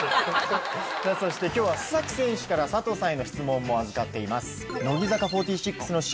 そして今日は須選手から佐藤さんへの質問も預かっています。